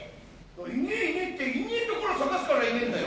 いねえ、いねえって、いねえところを探すからいねえんだよ。